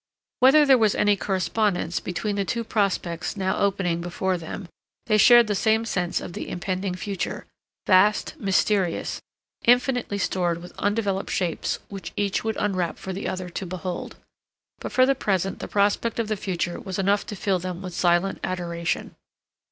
Whether there was any correspondence between the two prospects now opening before them they shared the same sense of the impending future, vast, mysterious, infinitely stored with undeveloped shapes which each would unwrap for the other to behold; but for the present the prospect of the future was enough to fill them with silent adoration.